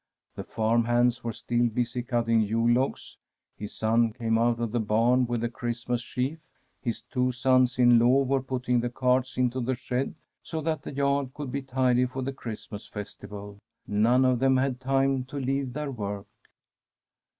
The farm hands were still busy cut ting Yule logs ; his son came out of the bam with the Christmas sheaf; his two sons in law were putting the carts into the shed so that the yard could be tidy for the Christmas festival. None of them had time to leave their work.